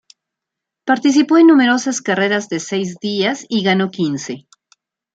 Participó en numerosas carreras de seis días y ganó quince.